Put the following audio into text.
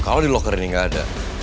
kalau di loker ini gak ada